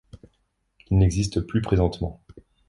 Il n’existe plus présentement.